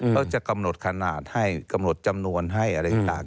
เขาจะกำหนดขนาดให้กำหนดจำนวนให้อะไรต่าง